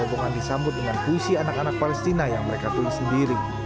rombongan disambut dengan puisi anak anak palestina yang mereka tulis sendiri